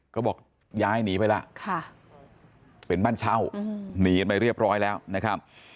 ก็บอกย้ายหนีไปแล้วเป็นบ้านเช่าหนีกันไปเรียบร้อยแล้วนะครับ